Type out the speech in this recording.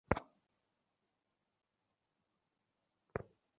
এরপর মসলা কষিয়ে দিয়ে দিন মাংস।